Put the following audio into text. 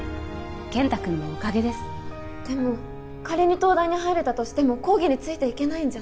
健太君のおかげですでも仮に東大に入れたとしても講義についていけないんじゃ？